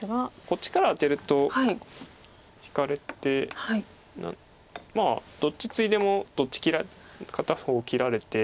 こっちからアテると引かれてまあどっちツイでも片方切られて。